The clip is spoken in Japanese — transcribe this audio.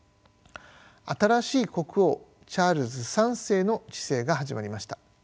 新しい国王チャールズ３世の治世が始まりました。